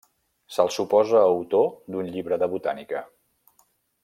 Se'l suposa autor d'un llibre de botànica.